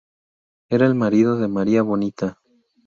Era el marido de Maria Bonita.